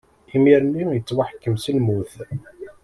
Imir-nni i yettwaḥkem s lmut.